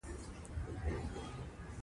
• لمر د ځمکې سطحه رڼا کوي.